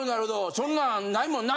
そんなん無いもんな。